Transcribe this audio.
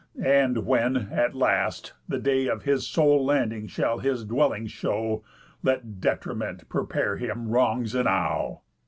And when, at last, the day Of his sole landing shall his dwelling show, Let Detriment prepare him wrongs enow.